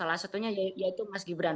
salah satunya yaitu mas gibran